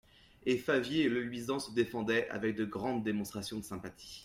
Et Favier, l'oeil luisant, se défendait, avec de grandes démonstrations de sympathie.